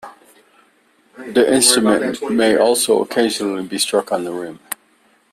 The instrument may also occasionally be struck on the rim.